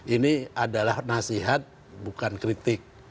ini adalah nasihat bukan kritik